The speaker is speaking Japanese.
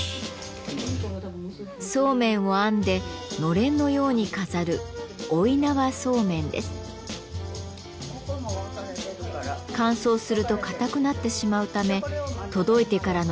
そうめんを編んでのれんのように飾る乾燥すると硬くなってしまうため届いてからの１時間が勝負。